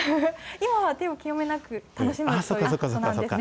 今は手を清めなく、楽しめるということなんですが。